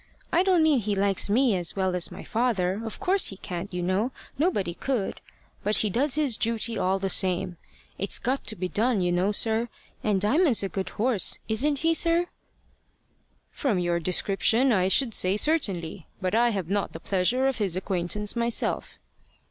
I don't mean he likes me as well as my father of course he can't, you know nobody could; but he does his duty all the same. It's got to be done, you know, sir; and Diamond's a good horse isn't he, sir?" "From your description I should say certainly; but I have not the pleasure of his acquaintance myself."